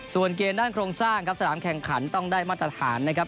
ส่วนเกณฑ์ด้านโครงสร้างครับสนามแข่งขันต้องได้มาตรฐานนะครับ